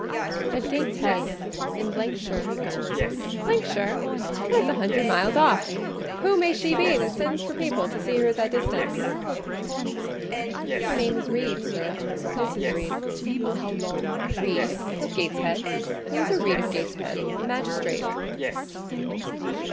"At Gateshead; in ——shire." " shire? That is a hundred miles off! Who may she be that sends for people to see her that distance?" "Her name is Reed, sir—Mrs. Reed." "Reed of Gateshead? There was a Reed of Gateshead, a magistrate."